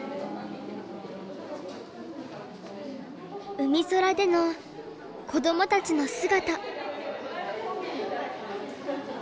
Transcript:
うみそらでの子どもたちの姿。